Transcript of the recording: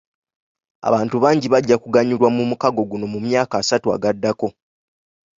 Abantu bangi bajja kuganyulwa mu mukago guno mu myaka asatu agaddako.